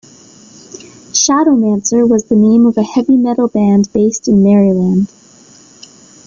Shadowmancer was the name of a heavy metal band based in Maryland.